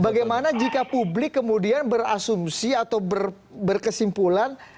bagaimana jika publik kemudian berasumsi atau berkesimpulan